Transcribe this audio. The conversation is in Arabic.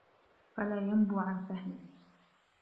فَلَا يَنْبُو عَنْ فَهْمٍ